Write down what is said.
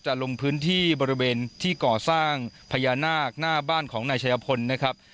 ลงพื้นที่บริเวณที่ก่อสร้างพญานาคหน้าบ้านของนายชายพลนะครับ